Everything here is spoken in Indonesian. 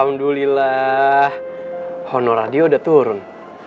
alhamdulillah honorario udah turun